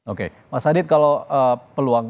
oke mas adit kalau peluang